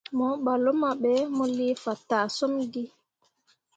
Mo ɓah luma ɓe, mu lii fataa summi.